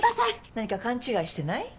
何か勘違いしてない？